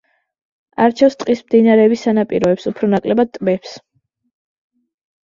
არჩევს ტყის მდინარეების სანაპიროებს, უფრო ნაკლებად ტბებს.